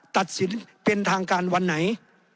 ตัดสินเป็นทางการวันไหน